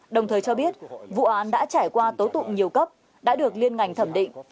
đồng thời cho biết vụ án đã trải qua tối tục nhiều cấp đã được liên ngành thẩm định